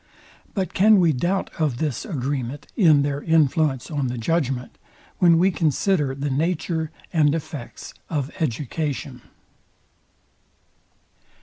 But can we doubt of this agreement in their influence on the judgment, when we consider the nature and effects Of EDUCATION?